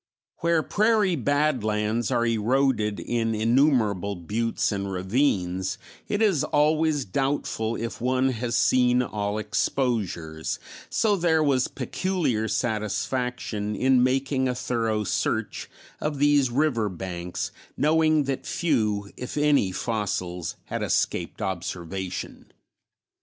Where prairie badlands are eroded in innumerable buttes and ravines it is always doubtful if one has seen all exposures, so there was peculiar satisfaction in making a thorough search of these river banks knowing that few if any fossils had escaped observation.